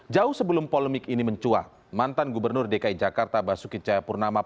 jauh sebelum polemik ini mencuat mantan gubernur dki jakarta basuki cahayapurnama